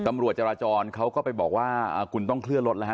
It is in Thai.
ตำรวจจราจรเขาก็ไปบอกว่าคุณต้องเคลื่อนรถแล้วฮ